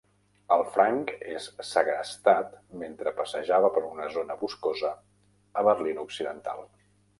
El Frank és segrestat mentre passejava per una zona boscosa a Berlin Occidental.